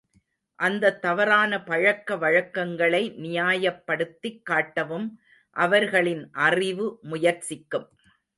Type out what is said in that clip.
அந்தத் தவறான பழக்க வழக்கங்களை நியாயப் படுத்திக் காட்டவும் அவர்களின் அறிவு முயற்சிக்கும்.